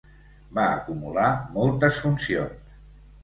Va acumular moltes funcions.